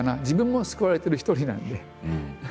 自分も救われてる一人なんで。